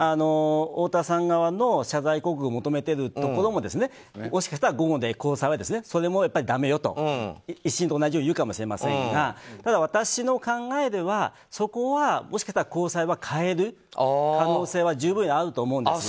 太田さん側の謝罪広告を求めているところももしかしたら午後、高裁もそれもだめよと１審と同じように言うかもしれませんがただ私の考えではそこは、もしかしたら高裁は変える可能性は十分にあると思うんです。